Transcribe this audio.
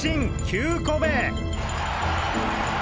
９個目！